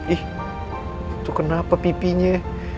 ih itu kenapa pipinya